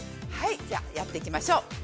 じゃあ、やっていきましょう。